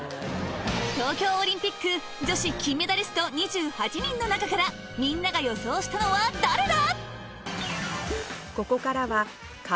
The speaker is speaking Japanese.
東京オリンピック女子金メダリスト２８人の中からみんなが予想したのは誰だ？